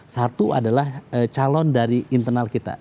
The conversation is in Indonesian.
satu adalah calon dari internal kita